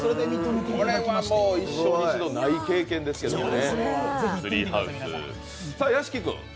これは一生に一度ない経験ですね。